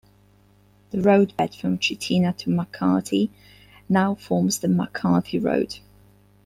The roadbed from Chitina to McCarthy now forms the McCarthy Road.